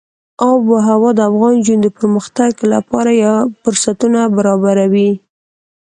آب وهوا د افغان نجونو د پرمختګ لپاره فرصتونه برابروي.